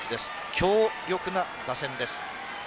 強力な打線です。